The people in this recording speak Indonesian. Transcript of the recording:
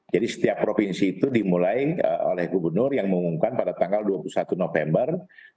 jadi setiap provinsi itu dimulai oleh gubernur yang mengumumkan pada tanggal dua puluh satu november dua ribu dua puluh dua